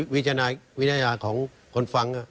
วิจารณาของคนฟัง